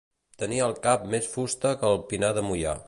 Tenir al cap més fusta que el pinar de Moià.